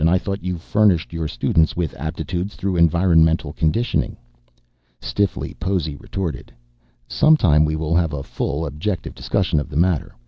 I thought you furnished your students with aptitudes through environmental conditioning." Stiffly, Possy retorted, "Sometime we will have a full, objective discussion of the matter.